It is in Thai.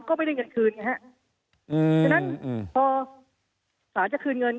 ก็ไม่ได้เงินคืนไงฮะอืมฉะนั้นพอศาลจะคืนเงิน